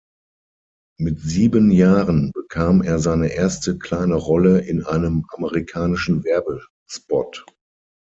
Mit sieben Jahren bekam er seine erste kleine Rolle in einem amerikanischen Werbespot.